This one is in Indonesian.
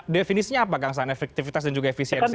definisinya apa kang saan efektivitas dan juga efisiensi